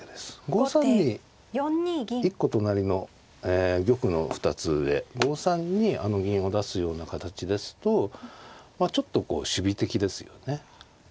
５三に１個隣の玉の２つ上５三にあの銀を出すような形ですとちょっとこう守備的ですよね。